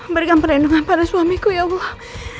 berikan perlindungan pada suamiku ya allah